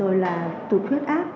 rồi là tụt huyết ác